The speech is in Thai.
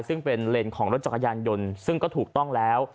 ซึ่งเป็นเลนส์ของรถจักรยานยนต์ซึ่งก็ถูกต้องแล้ว